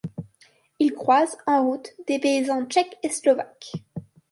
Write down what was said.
Il croise, en route, des paysans tchèques et slovaques.